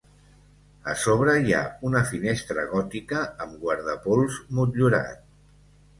A sobre hi ha una finestra gòtica amb guardapols motllurat.